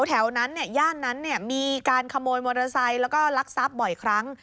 แถวนั้นย่านนั้นมีการขโมยมอเตอร์ไซค์แล้วก็ลักทรัพย์บ่อยครั้ง